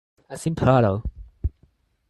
As in Palalal.